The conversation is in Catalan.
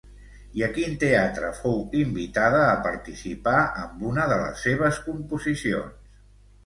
I a quin teatre fou invitada a participar amb una de les seves composicions?